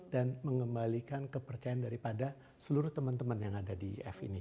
dan mengembalikan kepercayaan daripada seluruh teman teman yang ada di iif ini